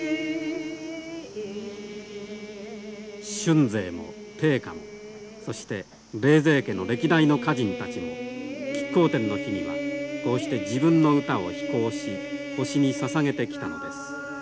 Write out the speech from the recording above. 俊成も定家もそして冷泉家の歴代の歌人たちも乞巧奠の日にはこうして自分の歌を披講し星にささげてきたのです。